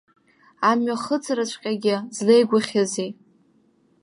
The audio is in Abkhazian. Амҩахыҵраҵәҟьагьы злеигәаӷьызеи!